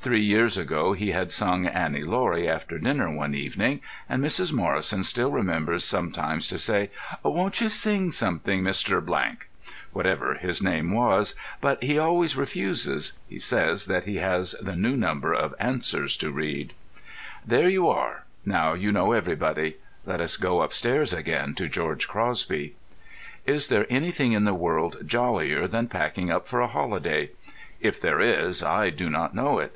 Three years ago he had sung "Annie Laurie" after dinner one evening, and Mrs. Morrison still remembers sometimes to say, "Won't you sing something, Mr. ——?" whatever his name was, but he always refuses. He says that he has the new number of Answers to read. There you are; now you know everybody. Let us go upstairs again to George Crosby. Is there anything in the world jollier than packing up for a holiday? If there is, I do not know it.